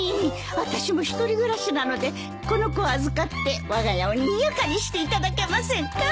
私も１人暮らしなのでこの子を預かってわが家をにぎやかにしていただけませんか？